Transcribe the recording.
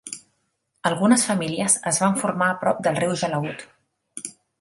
Algunes famílies es van formar a prop del riu Jalaud.